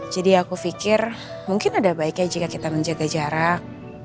jadi aku fikir mungkin ada baiknya jika kita menjaga jarak